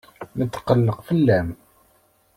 Netqelleq fell-am.